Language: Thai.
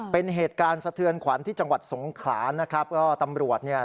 เป็นเหตุการณ์สะเทือนขวัญที่จังหวัดสงขลานะครับก็ตำรวจเนี่ย